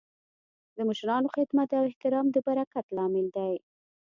د مشرانو خدمت او احترام د برکت لامل دی.